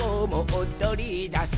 おどりだす」